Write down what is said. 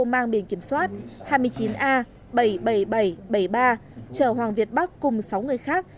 mang biển kiểm soát hai mươi chín a bảy mươi bảy nghìn bảy trăm bảy mươi ba chở hoàng việt bắc cùng sáu người khác